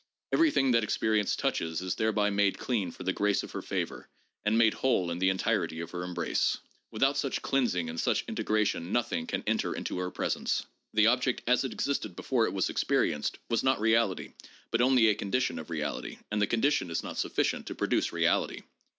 Everything that experience touches is thereby made clean for the grace of her favor and made whole in the entirety of her embrace. Without such cleansing and such integration nothing can enter into her presence. The object as it existed before it was experienced, was not reality, but only a condition of reality, and the condition is not sufficient to produce reality.